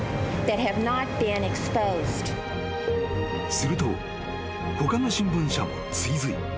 ［すると他の新聞社も追随］